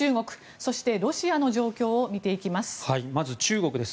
そして、ロシアの状況を見ていきます。